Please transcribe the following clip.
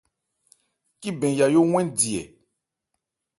Cíbɛn Yayó 'wɛn di ɛ ?